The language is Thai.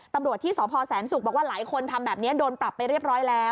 ตำรวจที่สพแสนศุกร์บอกว่าหลายคนทำแบบนี้โดนปรับไปเรียบร้อยแล้ว